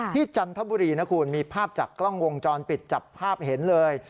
จันทบุรีนะคุณมีภาพจากกล้องวงจรปิดจับภาพเห็นเลย